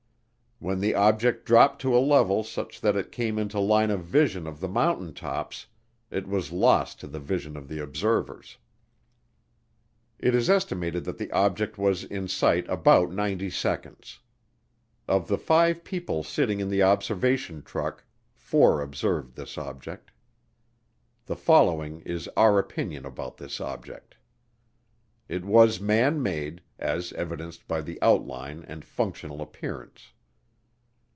When the object dropped to a level such that it came into line of vision of the mountain tops, it was lost to the vision of the observers. It is estimated that the object was in sight about 90 seconds. Of the five people sitting in the observation truck, four observed this object. The following is our opinion about this object: It was man made, as evidenced by the outline and functional appearance.